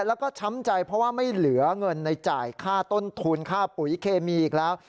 แล้วก็ช้ำใจเพราะว่าไม่เหลือเงินในจ่ายค่าต้นทุนค่าปุ๋ยเคมีอีกแล้ว